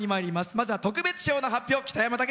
まずは特別賞の発表です。